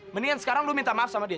mendingan sekarang lu minta maaf sama dia